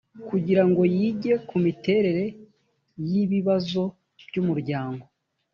kugirango yige ku miterere y ibibazo by umuryango